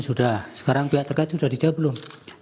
sudah sekarang pihak terkait sudah dijawab belum